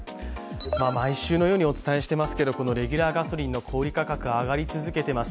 毎週のようにお伝えしますけどレギュラーガソリンの小売価格上がり続けています。